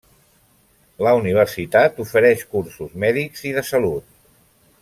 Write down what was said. La universitat ofereix cursos mèdics i de salut.